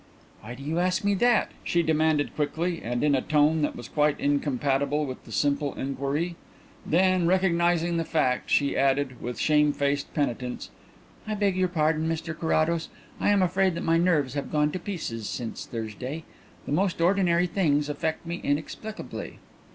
"Why do you ask me that?" she demanded quickly, and in a tone that was quite incompatible with the simple inquiry. Then, recognizing the fact, she added, with shamefaced penitence: "I beg your pardon, Mr Carrados. I am afraid that my nerves have gone to pieces since Thursday. The most ordinary things affect me inexplicably."